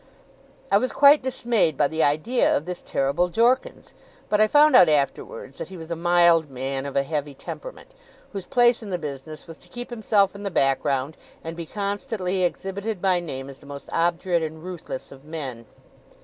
I was quite dismayed by the idea of this terrible Jorkins. But I found out afterwards that he was a mild man of a heavy temperament, whose place in the business was to keep himself in the background, and be constantly exhibited by name as the most obdurate and ruthless of men.